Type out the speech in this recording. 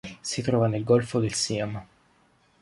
Si trova nel golfo del Siam.